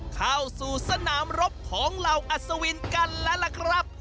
เข้าสู่สนามรบของเหล่าอัศวินกันแล้วล่ะครับ